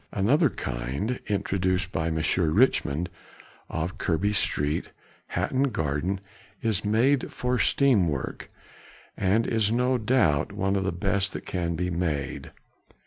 Another kind, introduced by Messrs. Richmond, of Kirby Street, Hatton Garden, is made for steam work, and is no doubt one of the best that can be made.